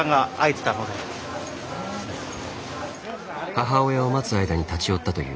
母親を待つ間に立ち寄ったという。